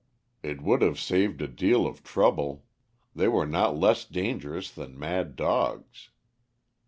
It would have saved a deal of trouble. They were not less dangerous than mad dogs.